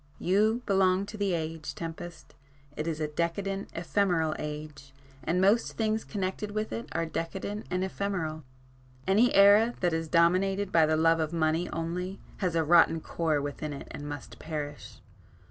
You belong to the age, Tempest,—it is a decadent ephemeral age, and most things connected with it are decadent and ephemeral. Any era that is dominated by the love of money only, has a rotten core within it and must perish.